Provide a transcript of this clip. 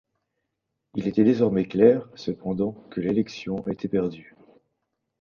Il était désormais clair, cependant, que l'élection était perdue.